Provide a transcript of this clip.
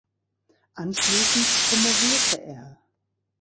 Anschließend promovierte er.